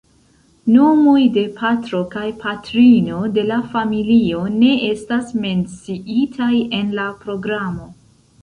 Nomoj de patro kaj patrino de la familio ne estas menciitaj en la programo.